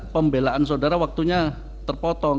pembelaan saudara waktunya terpotong